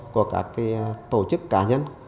của các cái tổ chức cá nhân